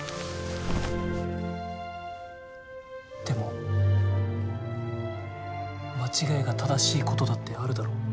でも間違いが正しいことだってあるだろ？